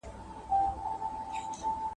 د جانان د کوڅې لوری مو قبله ده `